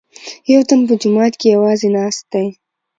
یوتن په جومات کې یوازې ناست دی.